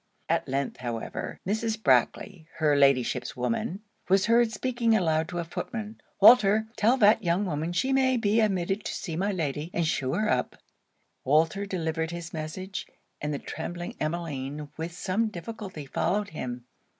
At length, however, Mrs. Brackley, her Ladyship's woman, was heard speaking aloud to a footman Walter, tell that young woman she may be admitted to see my Lady, and shew her up. Walter delivered his message; and the trembling Emmeline with some difficulty followed him.